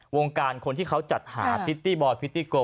วงการคนที่เขาจัดหาพิตตี้บอยพิตตี้โก